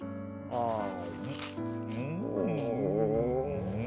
ああ。